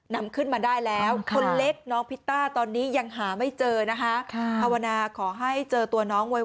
นำขึ้นมาได้แล้วคนเล็กน้องพิตต้าตอนนี้ยังหาไม่เจอนะฮะ